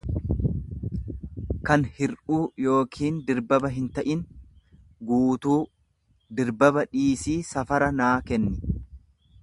kan hirdhuu yookiin dirbaba hinta'in, guutuu; Dirbaba dhiisii safara naa kenni.